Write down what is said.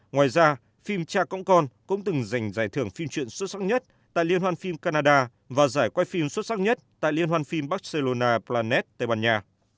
ngoài ra phim cha cõng con cũng từng giành giải thưởng phim truyện xuất sắc nhất tại liên hoan phim canada và giải quay phim xuất sắc nhất tại liên hoan phim barcelona planet tây ban nha